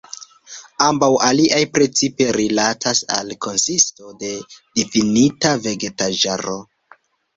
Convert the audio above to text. Ambaŭ aliaj precipe rilatas al konsisto de difinita vegetaĵaro.